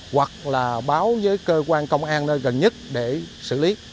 hoặc là báo với cơ quan công an nơi gần nhất để xử lý